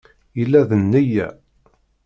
Yella d nneyya.